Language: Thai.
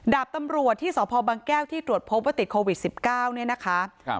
ดาบตำรวจที่สพบังแก้วที่ตรวจพบว่าติดโควิด๑๙เนี่ยนะคะ